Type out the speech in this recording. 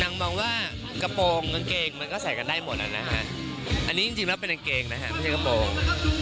มองว่ากระโปรงกางเกงมันก็ใส่กันได้หมดนะฮะอันนี้จริงแล้วเป็นกางเกงนะฮะไม่ใช่กระโปรง